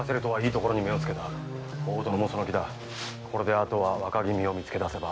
あとは若君を見つけ出せば。